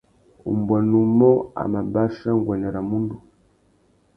Umbuênê umô a mà bachia nguêndê râ mundu.